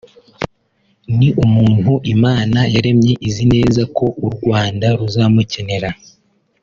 ni umuntu Imana yaremye izi neza ko u Rwanda ruzamukenera